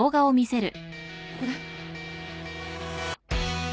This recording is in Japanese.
これ。